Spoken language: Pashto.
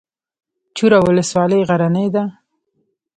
چوره ولسوالۍ غرنۍ ده؟